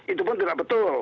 itu pun tidak betul